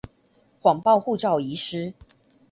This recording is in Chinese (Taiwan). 謊報護照遺失